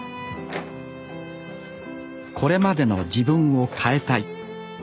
これまでの自分を変えたい。